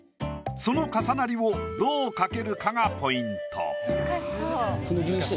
その重なりをどう描けるかがポイント。